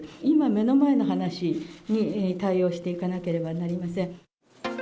今、目の前の話に対応していかなければなりません。